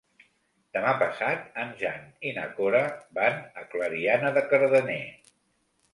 Demà passat en Jan i na Cora van a Clariana de Cardener.